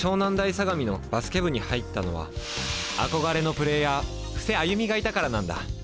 相模のバスケ部に入ったのは憧れのプレーヤー布施歩がいたからなんだ。